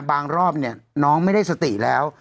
รอบเนี่ยน้องไม่ได้สติแล้ว